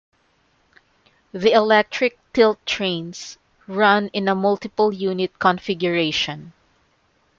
The electric Tilt Trains run in a multiple unit configuration.